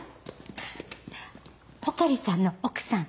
穂刈さんの奥さん。